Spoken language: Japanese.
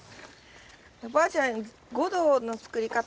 おばあちゃんごどの作り方